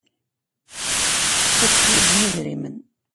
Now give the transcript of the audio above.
Ad teḥwijem idrimen.